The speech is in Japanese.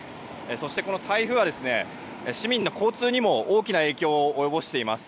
そして台風は市民の交通にも大きな影響を及ぼしています。